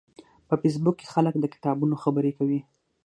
په فېسبوک کې خلک د کتابونو خبرې کوي